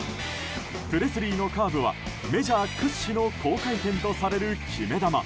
プレスリーのカーブはメジャー屈指の高回転とされる決め球。